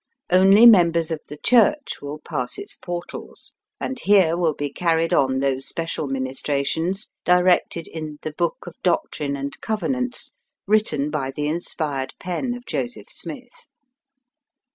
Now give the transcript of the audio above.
Only members of the Church will pass its portals, and here will be carried on those special ministrations directed in " The Book of Doctrine and Covenants," written by the inspired pen of Joseph Smith.